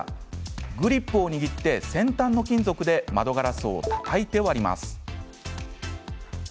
グリップを握って先端の金属で窓ガラスをたたいて割ります。